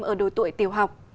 ở đội tuổi tiểu học